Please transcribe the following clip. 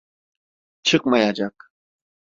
Çıkmayacak.